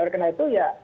oleh karena itu ya